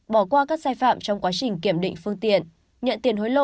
bỏ qua các sai phạm trong quá trình kiểm định phương tiện nhận tiền hối lộ